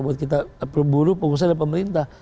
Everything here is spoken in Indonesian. untuk kita berburu pengusaha dan pemerintah